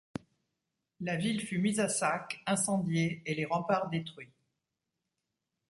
La ville fut mise à sac, incendiée et les remparts détruits.